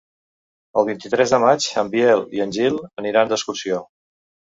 El vint-i-tres de maig en Biel i en Gil aniran d'excursió.